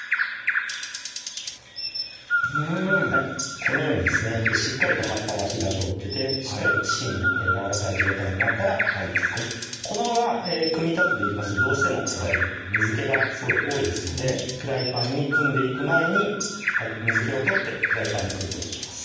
このようにですねしっかりと葉っぱは火が通っててしっかりと芯もやわらかい状態になったらこのまま組み立てていきますとどうしても水気が多いですのでフライパンに組んでいく前に水気を取ってフライパンに組んでいきます